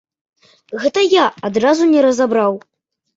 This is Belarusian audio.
Гэта я адразу не разабраў.